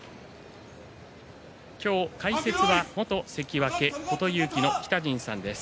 解説は元関脇琴勇輝の北陣さんです。